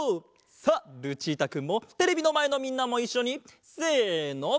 さあルチータくんもテレビのまえのみんなもいっしょにせの！